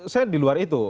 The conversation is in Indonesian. saya di luar itu